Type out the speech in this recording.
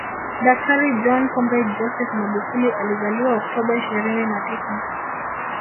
Daktari John Pombe Joseph Magufuli alizaliwa Oktoba ishirini na tisa